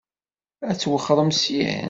Ad twexxṛem syin?